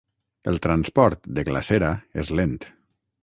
El transport de glacera és lent.